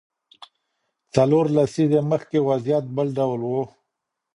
څلور لسیزې مخکې وضعیت بل ډول و.